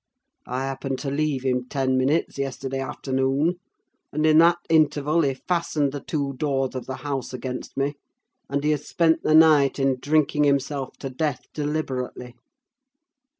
I happened to leave him ten minutes yesterday afternoon, and in that interval he fastened the two doors of the house against me, and he has spent the night in drinking himself to death deliberately!